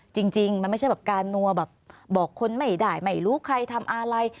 จริงมันไม่ใช่แบบการนัวแบบบอกคนไม่ได้ไม่รู้ใครทำอะไร